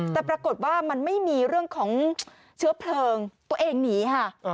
แต่ปรากฏว่ามันไม่มีเรื่องของเชื้อเพลิงตัวเองหนีค่ะ